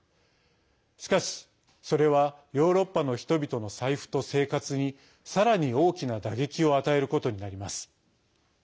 しかし、それはヨーロッパの人々の財布と生活にさらに大きな打撃を与えることになります。